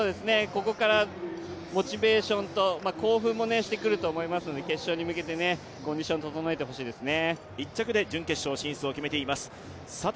ここからモチベーションと興奮もしてくると思いますので決勝に向けてコンディション整えてほしいですね。